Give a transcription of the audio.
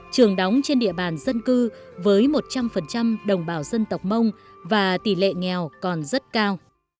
trường đóng trên địa bàn dân cư với một trăm linh đồng bào dân tộc mông và tỷ lệ nghèo còn rất cao